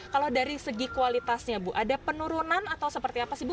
kalau dari segi kualitasnya bu ada penurunan atau seperti apa sih bu